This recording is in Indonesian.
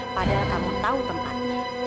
padahal kamu tahu tempatnya